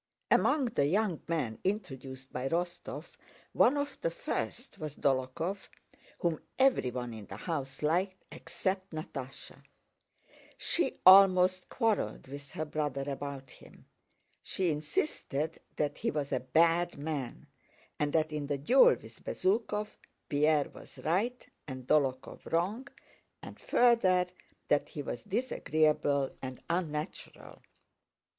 Among the young men introduced by Rostóv one of the first was Dólokhov, whom everyone in the house liked except Natásha. She almost quarreled with her brother about him. She insisted that he was a bad man, and that in the duel with Bezúkhov, Pierre was right and Dólokhov wrong, and further that he was disagreeable and unnatural.